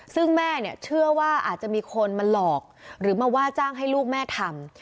ซึ่งแม่เนี่ยเชื่อว่าอาจจะมีคนมาหลอกหรือมาว่าจ้างให้ลูกแม่ทำ